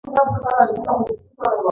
دا باور د اقتصاد بنسټ ګرځېدلی دی.